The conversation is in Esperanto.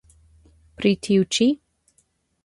Pri tiu ĉi?